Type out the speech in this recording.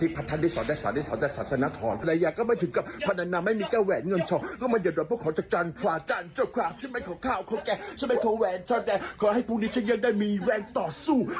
พรุ่งนี้ฉันยังได้มีแวงต่อสู้